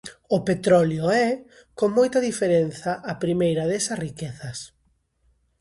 O petróleo é, con moita diferenza, a primeira desas riquezas.